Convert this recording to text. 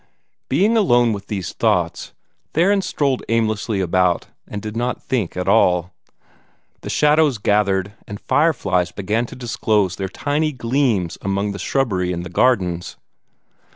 Being alone with these thoughts, Theron strolled aimlessly about, and did not think at all. The shadows gathered, and fireflies began to disclose their tiny gleams among the shrubbery in the gardens.